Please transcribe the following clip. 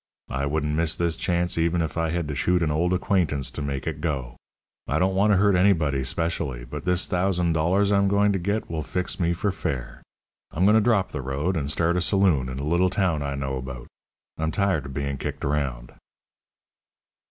I wouldn't miss this chance even if I had to shoot an old acquaintance to make it go. I don't want to hurt anybody specially, but this thousand dollars I'm going to get will fix me for fair. I'm going to drop the road, and start a saloon in a little town I know about. I'm tired of being kicked around."